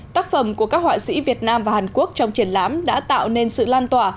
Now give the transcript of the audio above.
tác phẩm của các họa sĩ việt nam và hàn quốc trong triển lãm đã tạo nên sự lan tỏa